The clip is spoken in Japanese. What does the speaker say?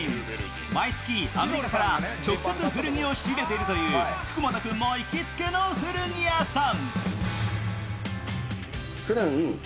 毎月アメリカから直接、古着を仕入れているという福本君も行きつけの古着屋さん。